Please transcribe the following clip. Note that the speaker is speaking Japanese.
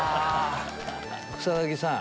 草薙さん